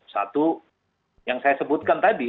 satu yang saya sebutkan tadi